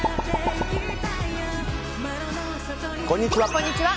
こんにちは。